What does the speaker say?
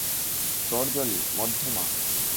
তর্জনি, মধ্যমা।